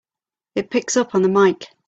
It picks up on the mike!